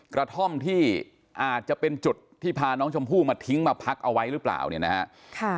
กระท่อมที่อาจจะเป็นจุดที่พาน้องชมพู่มาทิ้งมาพักเอาไว้หรือเปล่าเนี่ยนะฮะ